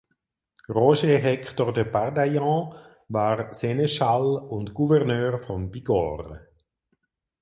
Roger Hector de Pardaillan war Seneschall und Gouverneur von Bigorre.